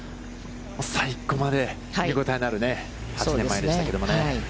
最後まで、見応えのある、８年前でしたけどもね。